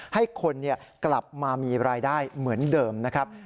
ให้คนกลับมามีรายได้เหมือนเดิมนะครับ